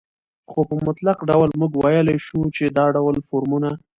خو په مطلق ډول موږ وويلى شو، چې دا ډول فورمونه